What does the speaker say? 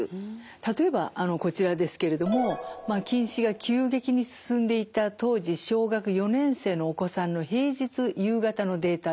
例えばこちらですけれども近視が急激に進んでいた当時小学４年生のお子さんの平日夕方のデータです。